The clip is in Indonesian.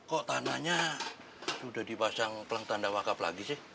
kok tanahnya sudah dipasang pelang tanda wakaf lagi sih